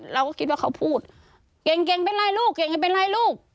เราก็คิดว่าเขาพูดเก่งเป็นไรลูกเก่งไม่เป็นไรลูก